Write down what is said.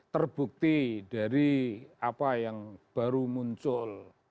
terbukti dari apa yang baru muncul